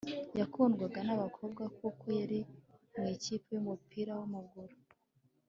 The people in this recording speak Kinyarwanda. yakundwaga nabakobwa kuko yari mu ikipe yumupira wamaguru